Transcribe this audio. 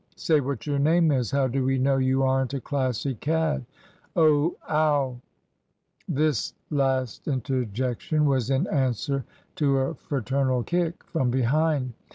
"Say what your name is. How do we know you aren't a Classic cad? Oh! ow!" This last interjection was in answer to a fraternal kick from behind.